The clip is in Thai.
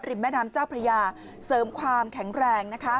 แม่น้ำเจ้าพระยาเสริมความแข็งแรงนะคะ